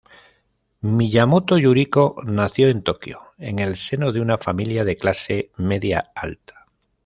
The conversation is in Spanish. Miyamoto Yuriko nació en Tokio, en el seno de una familia de clase media-alta.